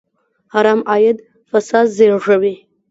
حرام عاید فساد زېږوي.